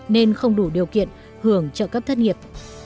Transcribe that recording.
nên không đủ điều kiện hưởng trợ cấp thất nghiệp